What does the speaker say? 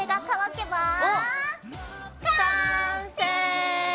完成！